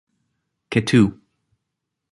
Quettehou.